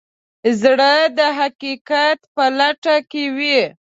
زړه د حقیقت په لټه کې وي.